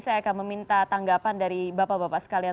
saya akan meminta tanggapan dari bapak bapak sekalian